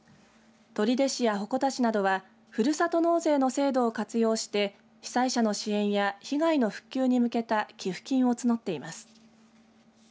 取手市や鉾田市などはふるさと納税の制度を活用して被災者の支援や被害の復旧に向けた寄付金を募っています。